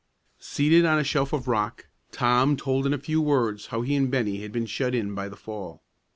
Seated on a shelf of rock, Tom told in a few words how he and Bennie had been shut in by the fall.